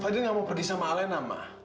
fadil nggak mau pergi sama alina ma